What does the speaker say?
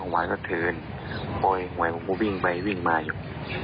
เอาหน่อยมันจะก็วิ่งไปวิ่งมาอยู่